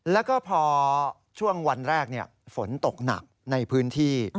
แล้วก็พอช่วงวันแรกฝนตกหนักในพื้นที่